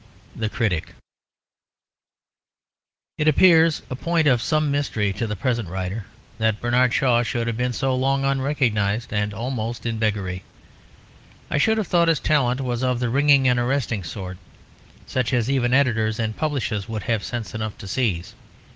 The Critic It appears a point of some mystery to the present writer that Bernard Shaw should have been so long unrecognised and almost in beggary. I should have thought his talent was of the ringing and arresting sort; such as even editors and publishers would have sense enough to seize.